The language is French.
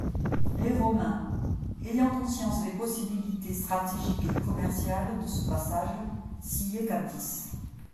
Les Romains, ayant conscience des possibilités stratégiques et commerciales de ce passage, s'y établissent.